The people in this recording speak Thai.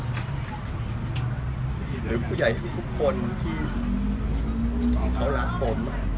หรือผู้ใหญ่ทุกคนที่เขารักผม